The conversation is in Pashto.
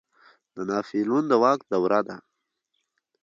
د ناپلیون د واک دوره ده.